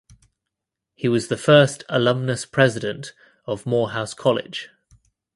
He was the first alumnus president of Morehouse College.